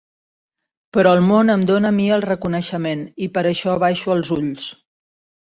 Però el món em dona a mi el reconeixement, i per això abaixo els ulls.